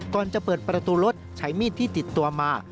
ก่อนจะเปิดประตูรถใช้มีดที่ติดตัวมา